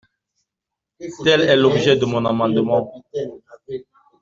Tel est l’objet de mon amendement.